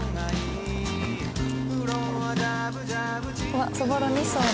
わっそぼろ２層だ。